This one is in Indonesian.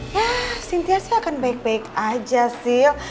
ya sintia sih akan baik baik aja sih